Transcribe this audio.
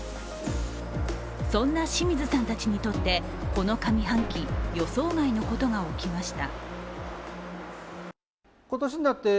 そんな清水さんたちにとって、この上半期、予想外のことが起きました。